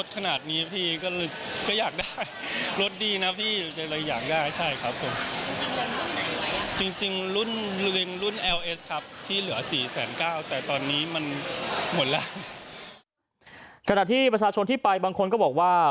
ขณะที่ประชาชนที่ไปบางคนก็บอกว่า